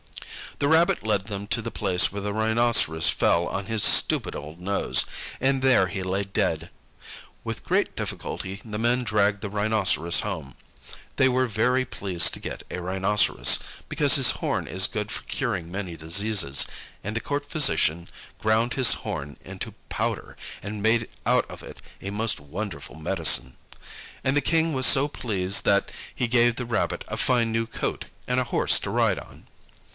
The Rabbit led them to the place where the Rhinoceros fell on his stupid old nose, and there he lay dead. With great difficulty the men dragged the Rhinoceros home. They were very pleased to get a Rhinoceros, because his horn is good for curing many diseases, and the court physician ground his horn into powder, and made out of it a most wonderful medicine. And the King was so pleased, that he gave the Rabbit a fine new coat, and a horse to ride on.